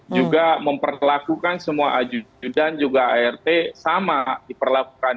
juga memperlakukan semua aju judan juga art sama diperlakukan